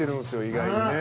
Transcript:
意外にね。